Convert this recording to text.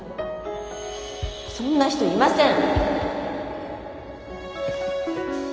そんな人いません。